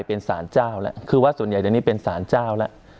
เป็นสารเจ้าแล้วคือวัดส่วนใหญ่เดี๋ยวนี้เป็นสารเจ้าแล้ว